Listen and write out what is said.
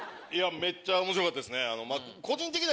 めっちゃ面白かったですね。